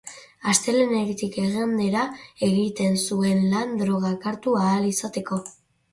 Astelehenetik igandera egiten zuen lan drogak hartu ahal izateko.